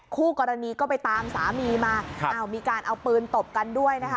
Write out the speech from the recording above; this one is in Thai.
คู่กรณีก็ไปตามสามีมามีการเอาปืนตบกันด้วยนะคะ